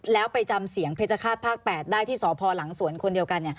แล้วไปจำเสียงเพชรฆาตภาค๘ได้ที่สพหลังสวนคนเดียวกัน